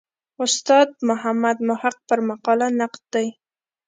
استاد محمد محق پر مقاله نقد دی.